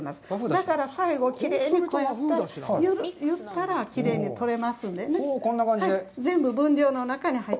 だから、最後、きれいにこうやったら、きれいに垂れますからね。